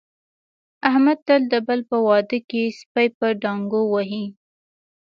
احمد تل د بل په واده کې سپي په ډانګو وهي.